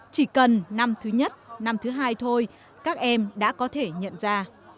chỉ cần năm thứ nhất năm thứ hai thôi các em đã có thể nhận ra